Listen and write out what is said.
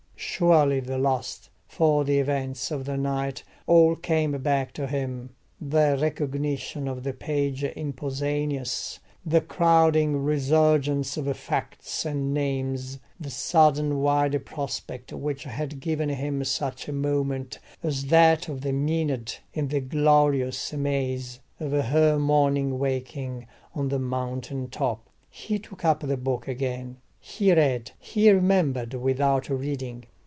Surely the last, for the events of the night all came back to him: the recognition of the page in Pausanias, the crowding resurgence of facts and names, the sudden wide prospect which had given him such a moment as that of the Maenad in the glorious amaze of her morning waking on the mountain top. He took up the book again, he read, he remembered without reading.